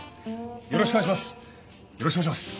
よろしくお願いします！